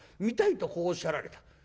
見たい』とこうおっしゃられた。